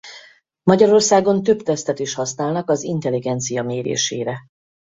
Magyarországon több tesztet is használnak az intelligencia mérésére.